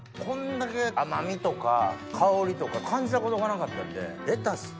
こんだけ甘みとか香りとか感じたことがなかったんで。